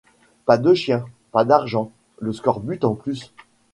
Pas de chiens, pas d'argent, et le scorbut en plus.